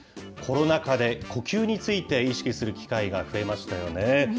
コロナ禍で呼吸について意識する機会が増えましたよね。